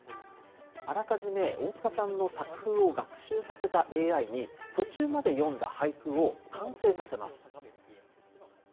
あらかじめ、大塚さんの作風を学習させたＡＩに、途中まで詠んだ俳句を完成させます。